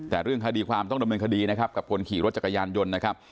แต่เรื่องคดีความต้องดำเนินคดีกับคนขี่รถจักรยานยนต์